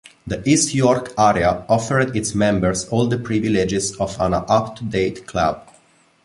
The East York area offered its members all the privileges of an up-to-date club.